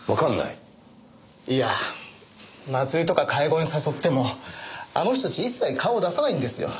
いや祭りとか会合に誘ってもあの人たち一切顔を出さないんですよ。